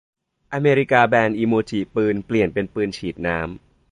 อเมริกาแบนอิโมจิปืน เปลี่ยนเป็นปืนฉีดน้ำ